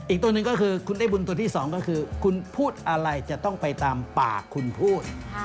อีกตัวหนึ่งก็คือคุณได้บุญตัวที่สองก็คือคุณพูดอะไรจะต้องไปตามปากคุณพูด